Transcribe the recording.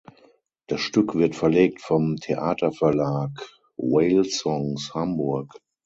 Das Stück wird verlegt vom Theaterverlag Whale Songs, Hamburg.